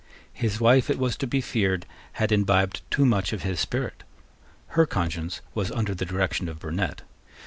His wife, it was to be feared, had imbibed too much of his spirit. Her conscience was under the direction of Burnet.